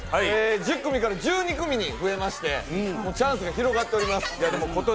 １０組から１２組に増えまして、チャンスが広がっております。